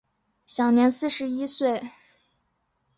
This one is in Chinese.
享年四十一岁。